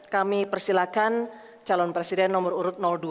kami persilahkan calon presiden nomor urut dua